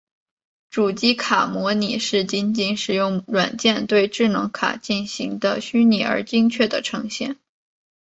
主机卡模拟是仅仅使用软件对智能卡进行的虚拟而精确的呈现。